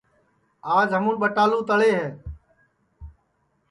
آج ہمون ٻٹالو تݪے ہے